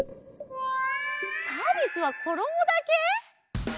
サービスはころもだけ！？